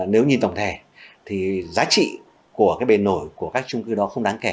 nếu nhìn tổng thể thì giá trị của cái bề nổi của các trung cư đó không đáng kể